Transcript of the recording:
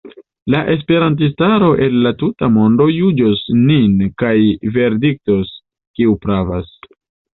La esperantistaro el la tuta mondo juĝos nin kaj verdiktos, kiu pravas.